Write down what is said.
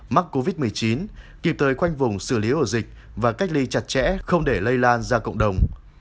mắc covid một mươi chín kịp thời khoanh vùng xử lý ổ dịch và cách ly chặt chẽ không để lây lan ra cộng đồng